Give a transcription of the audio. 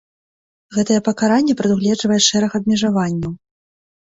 Гэтае пакаранне прадугледжвае шэраг абмежаванняў.